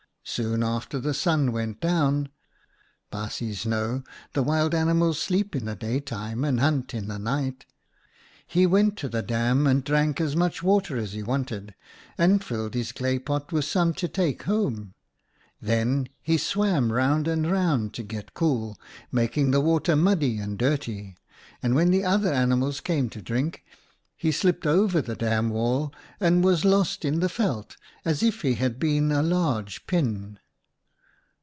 Soon after the Sun went down — baasjes know, the wild animals sleep in the daytime and hunt in the night — he went to the dam and drank as much water as he wanted, and filled his clay pot with some to take home. Then he swam round and round to get cool, making the water muddy and dirty, and when the other animals came to drink, he slipped over the dam wall and was lost in the veld as if he had been a large pin.